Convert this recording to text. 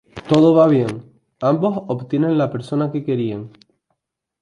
Todo va bien: ambos obtienen la persona que querían.